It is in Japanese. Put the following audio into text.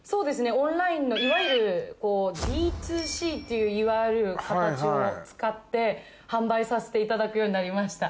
オンラインのいわゆる「Ｄ２Ｃ」っていういわゆる形を使って販売させていただくようになりました。